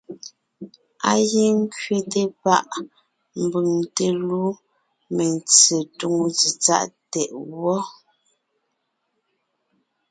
Á gíŋ ńkẅéte páʼ mbʉ̀ŋ te lú mentse túŋo tsetsáʼ tɛʼ wɔ́.